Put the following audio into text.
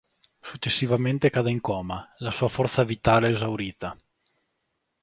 Successivamente cade in coma, la sua forza vitale esaurita.